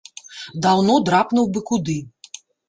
Даўно драпнуў бы куды.